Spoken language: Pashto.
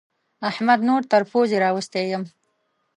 احمد نور تر پوزې راوستی يم.